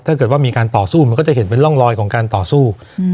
ถ้าเกิดว่ามีการต่อสู้มันก็จะเห็นเป็นร่องรอยของการต่อสู้อืม